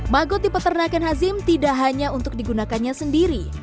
magot di peternakan hazim tidak hanya untuk digunakannya sendiri